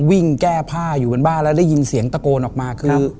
วิ่งแก้ผ้าอยู่บนบ้านแล้วได้ยินเสียงตะโกนออกมาคือ